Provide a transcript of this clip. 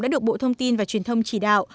đã được bộ thông tin và truyền thông chỉ đạo